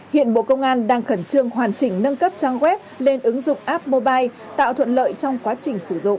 hiện bộ công an đang khẩn trương hoàn chỉnh nâng cấp trang web lên ứng dụng app mobile tạo thuận lợi trong quá trình sử dụng